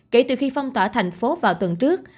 kể từ khi phong tỏa thành phố vào tuần trước